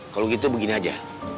kalau gitu begini aja